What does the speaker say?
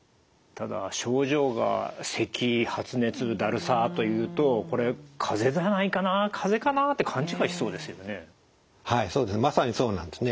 ただ症状がせき発熱だるさというとこれかぜじゃないかなかぜかなって勘違いしそうですよね。